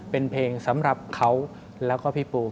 เป็นเพลงสำหรับเขาแล้วก็พี่ปู